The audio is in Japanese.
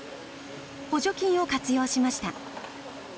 補助金を活用しました。